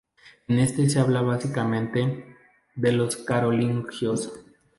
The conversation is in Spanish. En este se habla básicamente, de los carolingios.